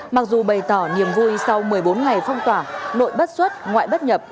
mặc dù bày tỏ niềm vui sau một mươi bốn ngày phong tỏa nội bất xuất ngoại bất nhập